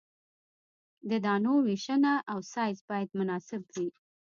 د دانو ویشنه او سایز باید مناسب وي